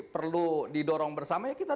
perlu didorong bersama ya kita